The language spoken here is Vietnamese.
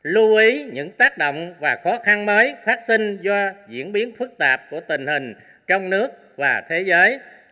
lưu ý những tác động và khó khăn mới phát sinh do diễn biến phức tạp của tình hình trong nước và thế giới